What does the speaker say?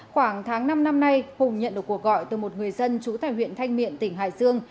khoảng tháng năm năm nay hùng nhận được cuộc gọi từ một người dân trú tại huyện thanh miện tỉnh hải dương